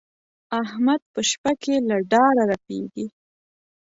احمد په شپه کې له ډاره رپېږي.